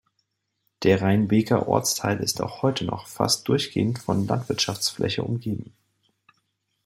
Der Reinbeker Ortsteil ist auch heute noch fast durchgehend von Landwirtschaftsfläche umgeben.